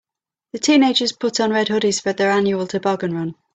The teenagers put on red hoodies for their annual toboggan run.